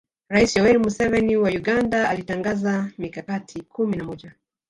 Rais Yoweri Museveni wa Uganda alitangaza mikakati kumi na moja